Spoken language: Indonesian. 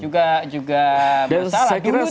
dan enggak harus menurut orang lain ya